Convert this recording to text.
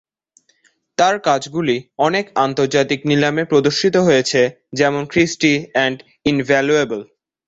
তার কাজগুলি অনেক আন্তর্জাতিক নিলামে প্রদর্শিত হয়েছে যেমন ক্রিস্টি এন্ড ইনভ্যালুয়েবল।